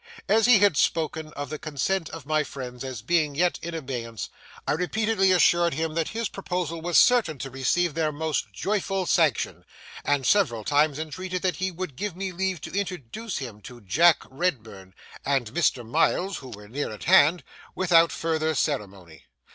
As he had spoken of the consent of my friends as being yet in abeyance, I repeatedly assured him that his proposal was certain to receive their most joyful sanction, and several times entreated that he would give me leave to introduce him to Jack Redburn and Mr. Miles (who were near at hand) without further ceremony.